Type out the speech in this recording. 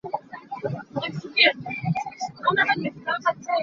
Ka duh lo.